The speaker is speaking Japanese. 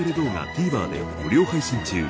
ＴＶｅｒで無料配信中。